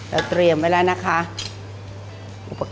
เราเตรียมไว้แล้วนะคะอุปกรณ์ชีวิตของเรา